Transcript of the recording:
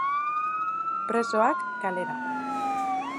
Presoak kalera.